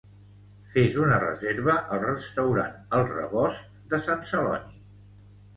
Fes una reserva al restaurant El Rebost de Sant Celoni.